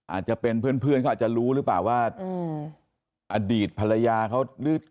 อาจจะเป็นเพื่อนเพื่อนเขาอาจจะรู้หรือเปล่าว่าอดีตภรรยาเขาหรือ